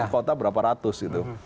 kota berapa ratus gitu